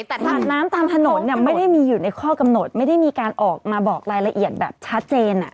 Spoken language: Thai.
แต่น้ำตามถนนเนี่ยไม่ได้มีอยู่ในข้อกำหนดไม่ได้มีการออกมาบอกรายละเอียดแบบชัดเจน